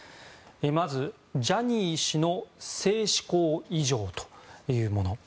まずジャニー氏の性嗜好異常というもの。